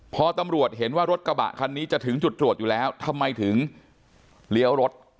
พอตำรวจเห็นว่ารถกระบะคันนี้จะถึงจุดตรวจอยู่แล้วทำไมถึงเลี้ยวรถ